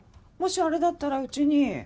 もしあれだったらうちに。